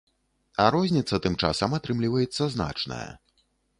А розніца, тым часам, атрымліваецца значная.